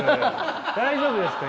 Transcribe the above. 大丈夫ですか？